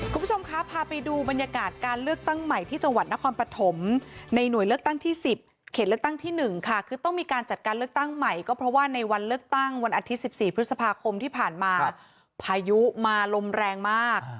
คุณผู้ชมคะพาไปดูบรรยากาศการเลือกตั้งใหม่ที่จังหวัดนครปฐมในหน่วยเลือกตั้งที่๑๐เขตเลือกตั้งที่๑ค่ะคือต้องมีการจัดการเลือกตั้งใหม่ก็เพราะว่าในวันเลือกตั้งวันอาทิตย์๑๔พฤษภาคมที่ผ่านมาพายุมาลมแรงมาก